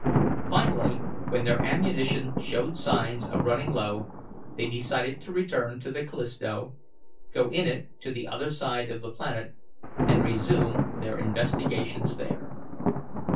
Finally, when their ammunition showed signs of running low, they decided to return to the Callisto, go in it to the other side of the planet, and resume their investigations there.